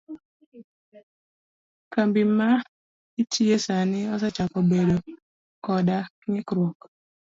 Kambi ma itiye sani osechako bedo koda ng'ikruok?